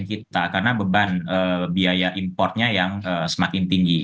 karena beban biaya importnya yang semakin tinggi